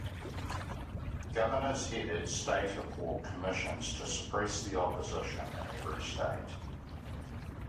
Governors headed state of war commissions to suppress the opposition in every state.